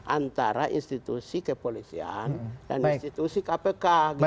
antara institusi kepolisian dan institusi kpk